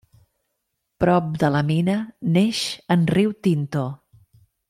Prop de la mina neix en riu Tinto.